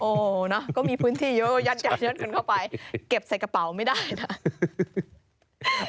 โอ้โหนะก็มีพื้นที่เยอะยัดเงินเข้าไปเก็บใส่กระเป๋าไม่ได้นะ